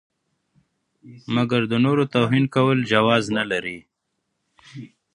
مګر د نورو توهین کول جواز نه لري.